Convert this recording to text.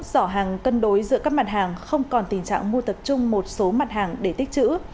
sỏ hàng cân đối giữa các mặt hàng không còn tình trạng mua tập trung một số mặt hàng để tích chữ